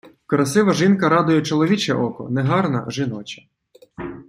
Красива жінка радує чоловіче око, негарна — жіноче.